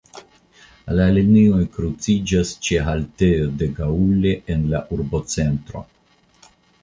La linioj kruciĝas ĉe haltejo "De Gaulle" en la urbocentro.